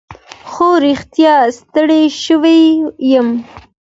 خو رښتیا ستړی شوی یم.